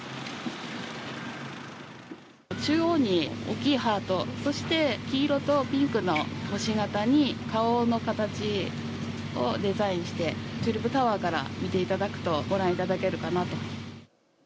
中央に大きいハートそして黄色とピンクの星型に顔の形をデザインしてチューリップタワーから見ていただくとご覧いただけるかなと。